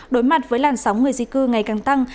đối mặt với làn sóng người di cư ngày càng tăng